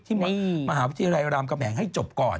ที่มหาวิทยาลัยรัมกะแมงให้จบก่อน